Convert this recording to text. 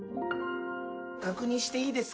確認していいですか？